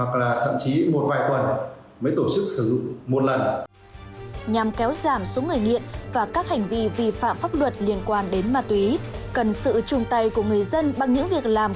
không phải ngày nào chúng cũng sử dụng